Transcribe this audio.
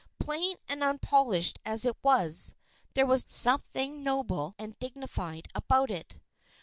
Plain and unpolished as it was, there was something noble and dignified about it.